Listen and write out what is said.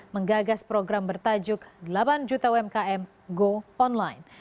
menggagas program bertajuk delapan juta umkm go online